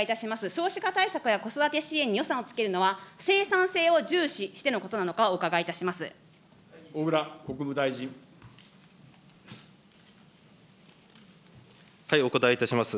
少子化対策や子育て支援に予算をつけるのは、生産性を重視してのことなのかお伺いいたします。